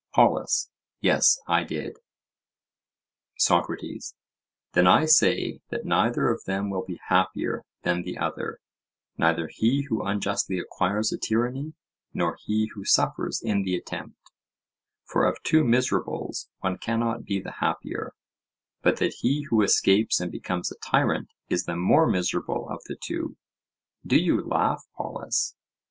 POLUS: Yes, I did. SOCRATES: Then I say that neither of them will be happier than the other,—neither he who unjustly acquires a tyranny, nor he who suffers in the attempt, for of two miserables one cannot be the happier, but that he who escapes and becomes a tyrant is the more miserable of the two. Do you laugh, Polus?